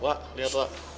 wak lihat wak